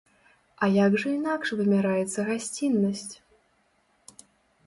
А як жа інакш вымяраецца гасціннасць?